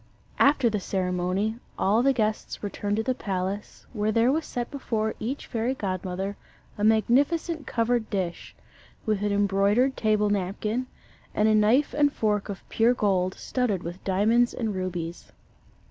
After the ceremony, all the guests returned to the palace, where there was set before each fairy godmother a magnificent covered dish, with an embroidered table napkin, and a knife and fork of pure gold, studded with diamonds and rubies.